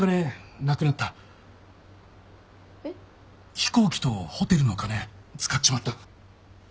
飛行機とホテルの金使っちまった。